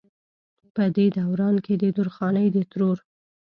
پۀ دې دوران کښې د درخانۍ د ترور